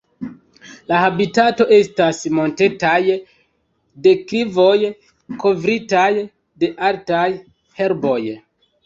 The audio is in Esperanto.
La habitato estas montetaj deklivoj kovritaj de altaj herboj.